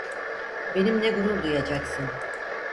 Benimle gurur duyacaksın.